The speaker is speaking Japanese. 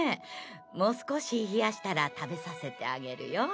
もう少し冷やしたら食べさせてあげるよ。